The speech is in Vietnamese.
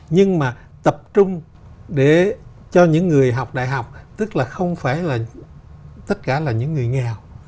nhưng mà tập trung để cho những người học đại học tức là không phải là tất cả là những người nghèo